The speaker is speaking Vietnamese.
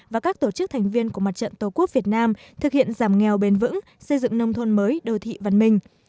và các tổ chức thành viên của mặt trận tổ quốc việt nam thực hiện giảm nghèo bền vững xây dựng nông thôn mới đô thị văn minh